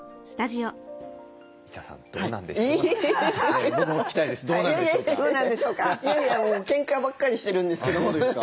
いやいやもうけんかばっかりしてるんですけども。